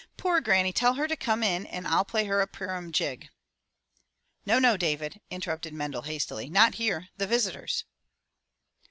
"Poor granny, tell her to come in and I'll play her a Purim jig." "No, no, David," interrupted Mendel hastily. "Not here — the visitors!"